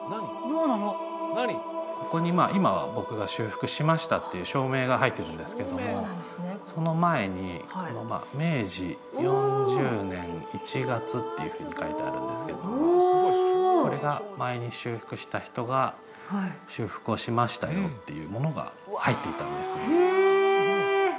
ここに今は「僕が修復しました」っていう証明が入ってるんですけどもその前に「明治四十年一月」っていうふうに書いてあるんですけどもおおこれが前に修復した人が「修復をしましたよ」っていうものが入っていたんですへえ！